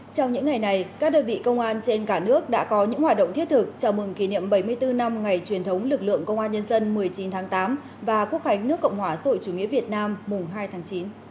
trong những ngày này các đơn vị công an trên cả nước đã có những hoạt động thiết thực chào mừng kỷ niệm bảy mươi bốn năm ngày truyền thống lực lượng công an nhân dân một mươi chín tháng tám và quốc khánh nước cộng hòa sội chủ nghĩa việt nam mùng hai tháng chín